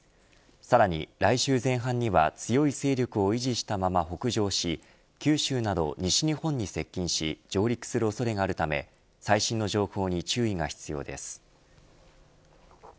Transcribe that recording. さらに来週前半には強い勢力を維持したまま北上し九州など西日本に接近し上陸する恐れがあるため最新の情報に注意が必要です。